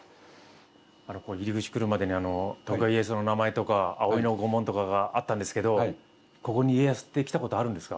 入り口来るまでに徳川家康の名前とか葵の御紋とかがあったんですけどここに家康って来たことあるんですか？